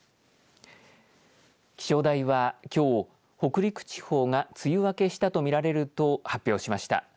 気象台はきょう北陸地方が梅雨明けしたと見られると発表しました。